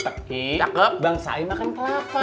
teki bang sain makan kelapa